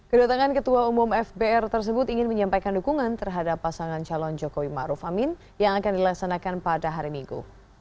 kedatangan ketua umum fbr tersebut ingin menyampaikan dukungan terhadap pasangan calon jokowi ⁇ maruf ⁇ amin yang akan dilaksanakan pada hari minggu